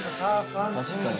確かに。